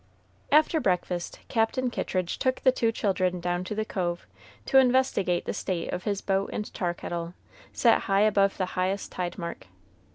After breakfast Captain Kittridge took the two children down to the cove, to investigate the state of his boat and tar kettle, set high above the highest tide mark.